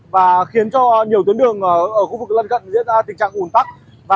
và khiến cho nhiều tuyến đường ở khu vực lân cận diễn ra tình trạng ủn tắc